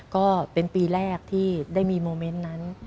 ก็เป็นปีแรกที่ได้มีโมเมนต์นั้น